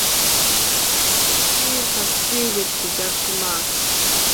He succeeded Jack Marks.